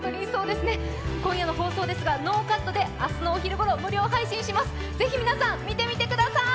今夜の放送ですがノーカットで明日のお昼ごろ無料配信します、ぜひ皆さん、見てみてください。